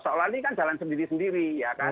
seolah ini kan jalan sendiri sendiri ya kan